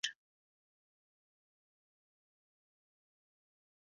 Nevezték Vaha-horhosnak és Vaha-szorosnak is.